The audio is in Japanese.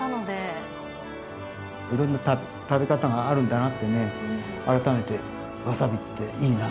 色んな食べ方があるんだなってね改めてわさびっていいな。